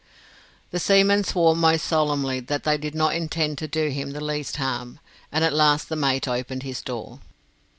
The seamen swore most solemnly that they did not intend to do him the least harm, and at last the mate opened his door.